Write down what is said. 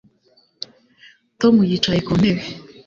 Tom yicaye ku ntebe